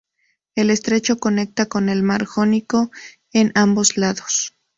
El estrecho conecta con el Mar Jónico en ambos lados.